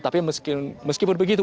tapi meskipun begitu